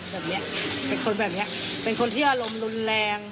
แบบนี้เป็นคนแบบนี้เป็นคนที่อารมณ์รุนแรง